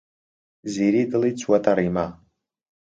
زیری دڵی چووەتە ڕیما.